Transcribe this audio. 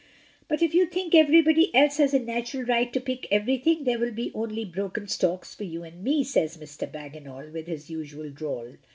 "But if you think everybody else has a natural right to pick ever3rthing there will be only broken stalks for you and me," says Mr. Bagginal with his usual drawl.